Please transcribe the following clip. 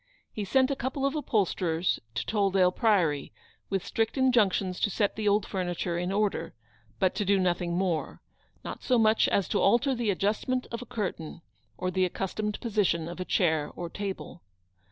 He sent a couple of upholsterers to Tolldale Priory, with strict injunctions to set the old furniture in order, but to do nothing more ; not so much as to alter the adjustment of a curtain, or the accustomed position of a chair or table.